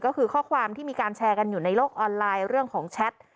ก็คือข้อความที่มีการแชร์กันอยู่ในโลกออนไลน์เรื่องของแชท